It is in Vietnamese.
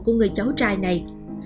của người cháu trai này